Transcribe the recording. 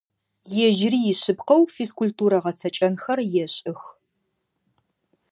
Ежьыри ишъыпкъэу физкультурэ гъэцэкӀэнхэр ешӀых.